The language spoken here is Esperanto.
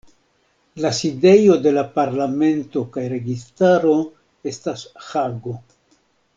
La sidejo de la parlamento kaj registaro estas Hago.